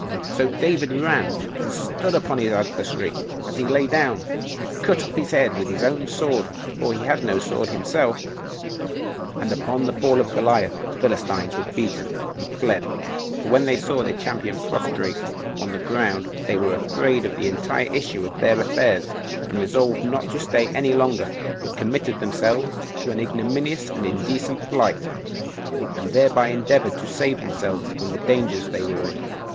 So David ran, and stood upon his adversary as he lay down, and cut off his head with his own sword; for he had no sword himself. And upon the fall of Goliath the Philistines were beaten, and fled; for when they saw their champion prostrate on the ground, they were afraid of the entire issue of their affairs, and resolved not to stay any longer, but committed themselves to an ignominious and indecent flight, and thereby endeavored to save themselves from the dangers they were in.